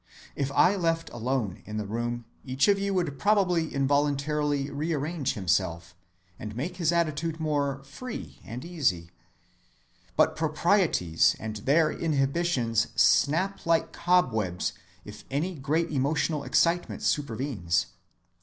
If left alone in the room, each of you would probably involuntarily rearrange himself, and make his attitude more "free and easy." But proprieties and their inhibitions snap like cobwebs if any great emotional excitement supervenes.